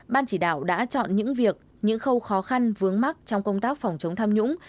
ban chỉ đạo đã chọn những việc những khâu khó khăn vướng mắt trong công tác phòng chống tham nhũng